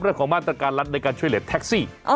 เรื่องของมาตรการรัฐในการช่วยเหลือแท็กซี่